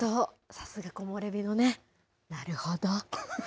さすが木漏れ日のね、なるほど！